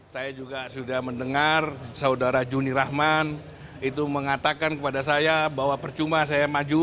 saya juga sudah mendengar saudara juni rahman itu mengatakan kepada saya bahwa percuma saya maju